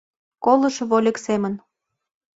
Колышо вольык семын.